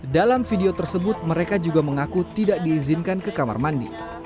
dalam video tersebut mereka juga mengaku tidak diizinkan ke kamar mandi